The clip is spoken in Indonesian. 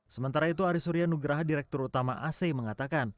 sementara itu arisurya nugraha direktur utama ac mengatakan